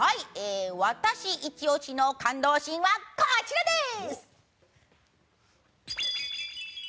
私イチ押しの感動シーンはこちらです！